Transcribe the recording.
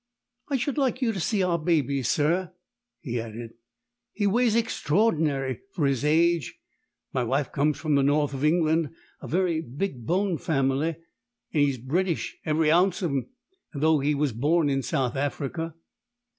"I should like you to see our baby, sir," he added. "He weighs extraordinary, for his age. My wife comes from the North of England a very big boned family; and he's British, every ounce of him, though he was born in South Africa."